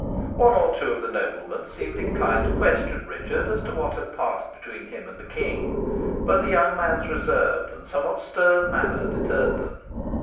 One or two of the noblemen seemed inclined to question Richard as to what had passed between him and the King; but the young man's reserved and somewhat stern manner deterred them.